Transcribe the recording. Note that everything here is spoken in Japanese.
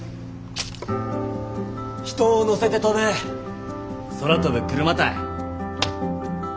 人を乗せて飛ぶ空飛ぶクルマたい。